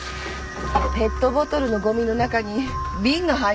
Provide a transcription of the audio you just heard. ペットボトルのごみの中に瓶が入ってたの。